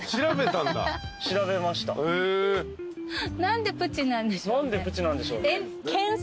何でプチなんでしょう？